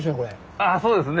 あそうですね。